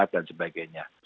jarak dan sebagainya